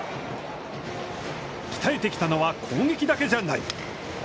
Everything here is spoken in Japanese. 鍛えてきたのは、攻撃だけじゃない。